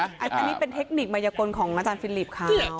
อันนี้เป็นเทคนิคมายกลของอาจารย์ฟิลิปค่ะ